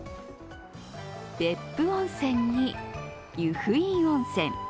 別府温泉に湯布院温泉。